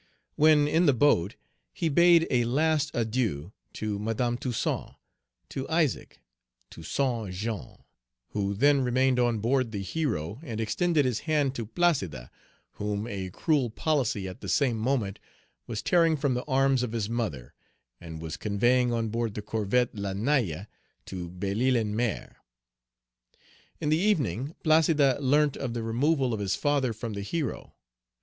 When in the boat, he bade a last adieu to Madame Toussaint, to Isaac, to Saint Jean, who then remained on board the Hero, and extended his hand to Placide, whom a cruel policy at the same moment was tearing from the arms of his mother, and was conveying on board the corvette La Naïade to Belle Isle en Mer. In the evening, Placide learnt of the removal of his father from the Hero.